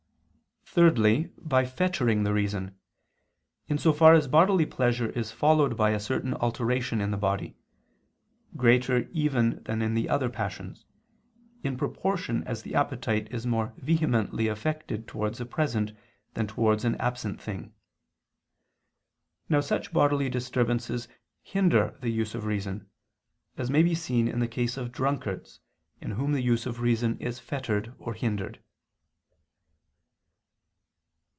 Thirdly, by fettering the reason: in so far as bodily pleasure is followed by a certain alteration in the body, greater even than in the other passions, in proportion as the appetite is more vehemently affected towards a present than towards an absent thing. Now such bodily disturbances hinder the use of reason; as may be seen in the case of drunkards, in whom the use of reason is fettered or hindered.